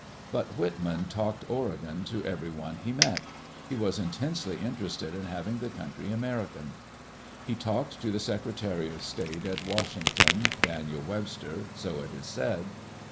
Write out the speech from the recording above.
But Whitman talked Oregon to everyone he met. He was intensely interested in having the country American. He talked to the Secretary of State at Washington, Dan iel Webster, so it is said.